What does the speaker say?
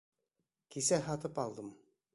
Кисә һатып алдым.